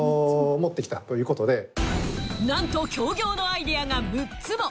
なんと協業のアイデアが６つも。